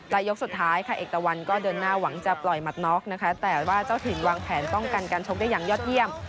และยกสุดท้ายค่ะเอกตะวันก็เดินหน้าหวังจะปล่อยหมัดน็อกนะคะแต่ว่าเจ้าถิ่นวางแผนป้องกันการชกได้อย่างยอดเยี่ยม